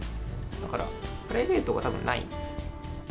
だからプライベートがたぶんないんです。